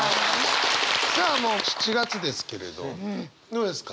さあもう７月ですけれどどうですか？